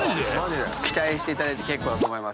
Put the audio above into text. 期待していただいて結構だと。